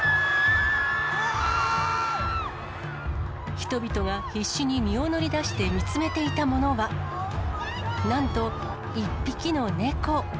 人々が必死に身を乗り出して見つめていたものは、なんと１匹のネコ。